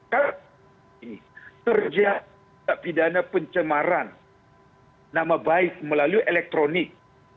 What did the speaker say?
kerja tindak pidana pencemaran nama baik melalui elektronik